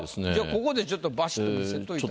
ここでちょっとバシッと見せといたら。